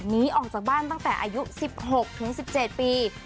หนีออกจากบ้านตั้งแต่อายุ๑๖ถึง๑๗ปี